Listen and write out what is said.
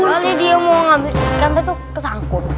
kali dia mau ngambil ikan betel kesangkutan